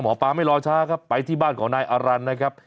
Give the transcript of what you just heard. หมอปลาไม่รอช้าครับไปที่บ้านของนายอารันทร์นะครับ